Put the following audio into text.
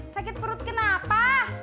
sakit perut kenapa